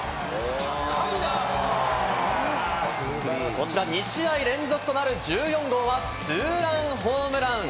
こちら２試合連続となる１４号はツーランホームラン。